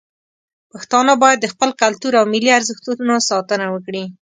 پښتانه باید د خپل کلتور او ملي ارزښتونو ساتنه وکړي.